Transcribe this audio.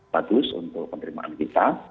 bagus untuk penerimaan kita